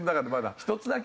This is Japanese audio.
１つだけ？